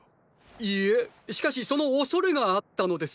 いいえしかしその恐れがあったのです。